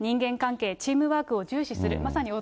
チームワークを重視する。